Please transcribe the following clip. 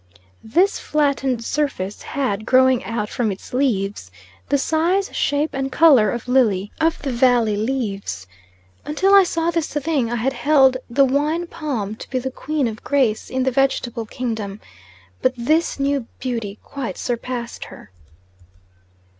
This flattened surface had growing out from it leaves, the size, shape and colour of lily of the valley leaves; until I saw this thing I had held the wine palm to be the queen of grace in the vegetable kingdom, but this new beauty quite surpassed her.